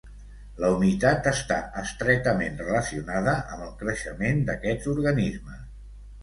La humitat està estretament relacionada amb el creixement d'aquests organismes.